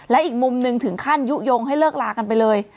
และอีกมุมหนึ่งถึงขั้นยุโยงให้เลิกลากันไปเลย